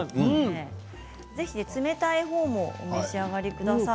ぜひ冷たいほうもお召し上がりください。